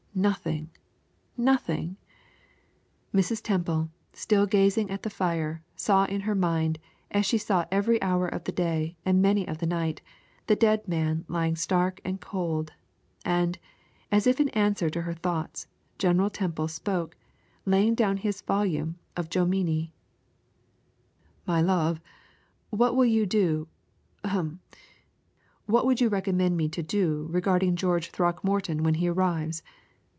Nothing, nothing! Mrs. Temple, still gazing at the fire, saw in her mind, as she saw every hour of the day and many of the night, the dead man lying stark and cold; and, as if in answer to her thoughts, General Temple spoke, laying down his volume of Jomini: "My love, what will you do ahem! what would you recommend me to do regarding George Throckmorton when he arrives?